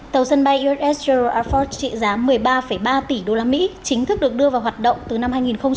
tàu sân bay us general air force trị giá một mươi ba ba tỷ usd chính thức được đưa vào hoạt động từ năm hai nghìn một mươi bảy